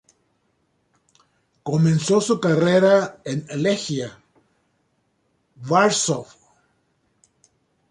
Comenzó su carrera en Legia Warsaw.